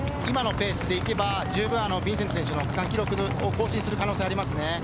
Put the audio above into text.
今のペースで行けば十分ヴィンセント選手の区間記録を更新する可能性ありますね。